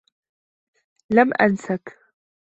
لم أنسك.